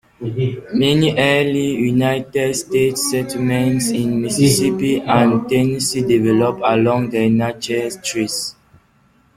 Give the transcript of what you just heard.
Many early United States settlements in Mississippi and Tennessee developed along the Natchez Trace.